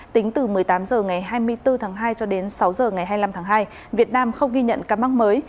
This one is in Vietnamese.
tính từ một mươi tám h ngày hai mươi bốn tháng hai cho đến sáu h ngày hai mươi năm tháng hai việt nam không ghi nhận ca mắc mới